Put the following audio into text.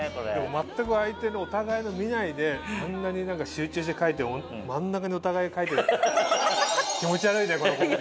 全く相手のお互いの見ないであんなに集中して描いて真ん中にお互い描いてるって気持ち悪いねこのコンビ。